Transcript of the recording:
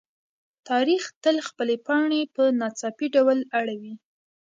تاریخ تل خپلې پاڼې په ناڅاپي ډول اړوي.